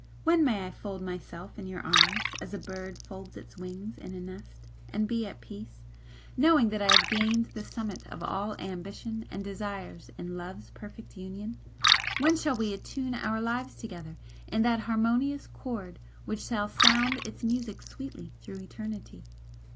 when may I fold myself in your arms as a bird folds its wings in a nest, and be at peace, knowing that I have gained the summit of all ambition and desires in love's perfect union? When shall we attune our lives together in that harmonious chord which shall sound its music sweetly through eternity?